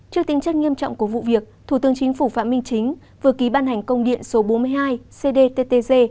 trước tính chất nghiêm trọng của vụ việc thủ tướng chính phủ phạm minh chính vừa ký ban hành công điện số bốn mươi hai cdttg